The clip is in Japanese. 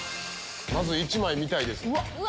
まず１枚見たいです。